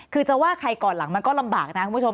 คือจะว่าใครก่อนหลังมันก็ลำบากนะคุณผู้ชม